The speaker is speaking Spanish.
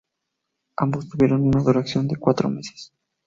Ambos tuvieron una duración de cuatro meses.